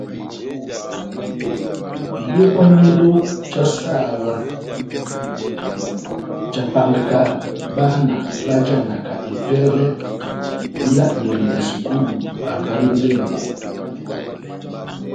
Iyókwanedo já saha óvah jahápángaka bána bájanaka evɛlɛ yá iledɛ sukulu havanidɛngo.